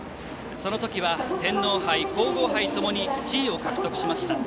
その時は天皇杯、皇后杯ともに１位を獲得しました。